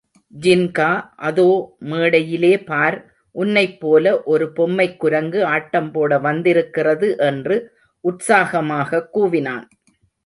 ஜின்கா, அதோ மேடையிலே பார், உன்னைப்போல ஒரு பொம்மைக்குரங்கு ஆட்டம் போட வந்திருக்கிறது என்று உற்சாகமாகக் கூவினான்.